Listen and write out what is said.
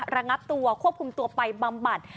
ระงับตัวควบคุมตัวไปบำบัด